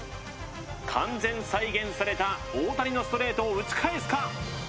完全再現された大谷のストレートを打ち返すか？